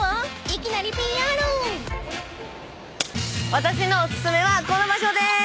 私のお薦めはこの場所です。